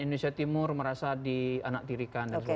indonesia timur merasa dianaktirikan